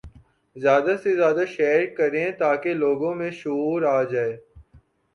زیادہ سے زیادہ شیئر کریں تاکہ لوگوں میں شعور آجائے